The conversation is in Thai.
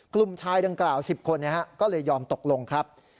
กลุ่มชายดังกล่าว๑๐คนก็เลยยอมตกลงครับ